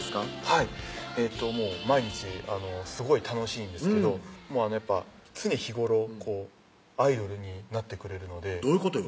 はいもう毎日すごい楽しいんですけど常日頃アイドルになってくれるのでどういうことよ？